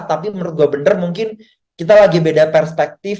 tapi menurut gue bener mungkin kita lagi beda perspektif